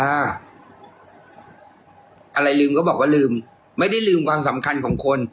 อะไรลืมก็บอกว่าลืมไม่ได้ลืมความสำคัญของคน